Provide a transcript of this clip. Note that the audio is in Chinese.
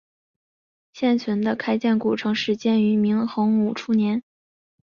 现存的开建古城始建于明洪武初年。